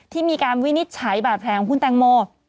ที่มีการวินิจฉัยบาดแผลของคุณแตงโม